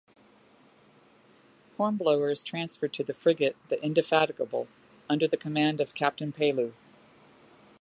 Hornblower is transferred to the frigate the "Indefatigable", under the command of Captain Pellew.